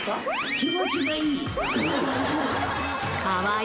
気持ちがいい。